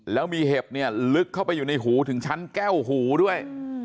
แล้วมีเห็บเนี่ยลึกเข้าไปอยู่ในหูถึงชั้นแก้วหูด้วย